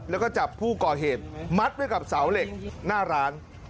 แล้วก็จับผู้ก่อเหตุมัดไว้กับเสาเหล็กหน้าร้าน